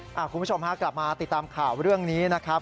คุณผู้ชมฮะกลับมาติดตามข่าวเรื่องนี้นะครับ